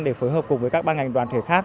để phối hợp cùng với các ban ngành đoàn thể khác